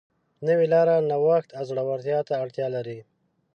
نوې لاره نوښت او زړهورتیا ته اړتیا لري.